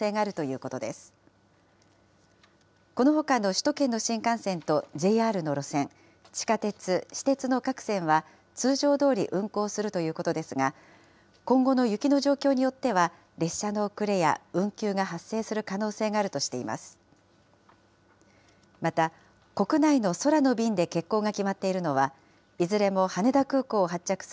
このほかの首都圏の新幹線とＪＲの路線、地下鉄、私鉄の各線は、通常どおり運行するということですが、今後の雪の状況によっては、列車の遅れや運休が発生する可能性があるとしています。